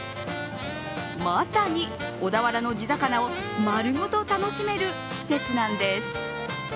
まさに、小田原の地魚を丸ごと楽しめる施設なんです。